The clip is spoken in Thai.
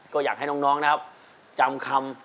ก็อยากให้น้องนะครับ